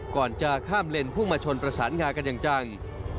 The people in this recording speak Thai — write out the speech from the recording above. ก่อนจะข้ามเลนพุ่งมาชนประสานงากันอย่างจัง